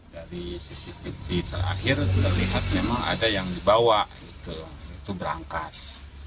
dari sisi pilih terakhir terlihat memang ada yang dibawa ke berangkas